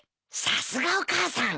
さすがお母さん。